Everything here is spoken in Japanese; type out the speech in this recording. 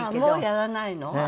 もうやらないの？